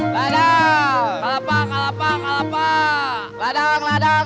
ladang ladang ladang